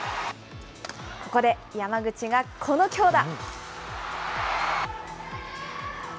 ここで山口がこの強打。